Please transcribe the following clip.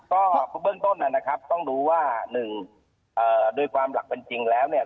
ก็เบื้องต้นนะครับต้องดูว่าหนึ่งโดยความหลักเป็นจริงแล้วเนี่ย